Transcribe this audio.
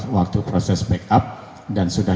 waktu proses backup dan sudah